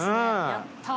やった！